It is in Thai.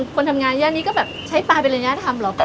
คนทำงานแย่นี้ด้วยใช้ปลาปิลัญญาทำหรือ